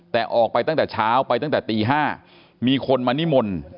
แต่ออกไปตั้งแต่เช้าไปตั้งแต่ตี๕มีคนมานิมนต์